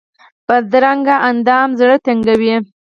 بدرنګه اندام زړه تنګوي